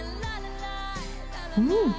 うん！